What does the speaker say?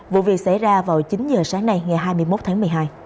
vụ việc xảy ra vào chín giờ sáng nay ngày hai mươi một tháng một mươi hai